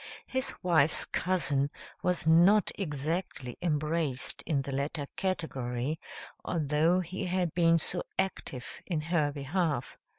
His wife's cousin was not exactly embraced in the latter category, although he had been so active in her behalf.